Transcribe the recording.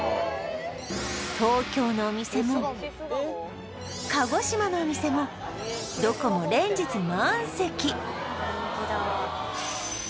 東京のお店も鹿児島のお店もどこもなのか？